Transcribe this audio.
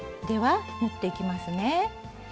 では縫っていきますね。